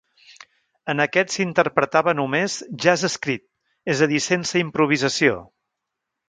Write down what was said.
En aquest s'interpretava només jazz escrit, és a dir, sense improvisació.